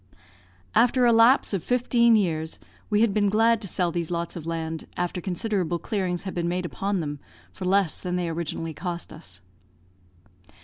After a lapse of fifteen years, we have been glad to sell these lots of land, after considerable clearings had been made upon them, for less than they originally cost us.